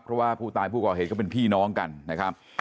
เพราะว่าผู้ตายผู้ก่อเหตุก็เป็นพี่น้องกันนะครับ